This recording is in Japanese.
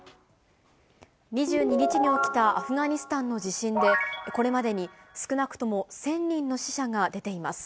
２２日に起きたアフガニスタンの地震で、これまでに少なくとも１０００人の死者が出ています。